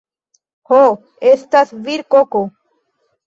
Ho, estas virkoko